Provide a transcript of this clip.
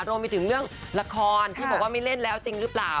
รวมไปถึงเรื่องละครที่บอกว่าไม่เล่นแล้วจริงหรือเปล่า